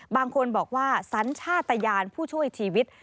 บางคนบอกว่าสัญชาติยานผู้ช่วยชีวิต